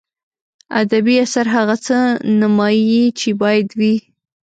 ادبي اثر هغه څه نمایي چې باید وي.